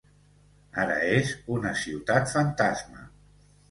Ara és una ciutat fantasma.